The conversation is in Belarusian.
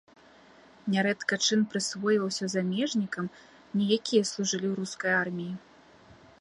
Нярэдка чын прысвойваўся замежнікам, не якія служылі ў рускай арміі.